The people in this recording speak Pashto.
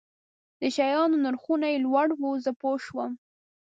د شیانو نرخونه یې لوړ وو، زه پوه شوم.